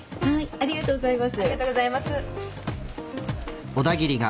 ありがとうございます。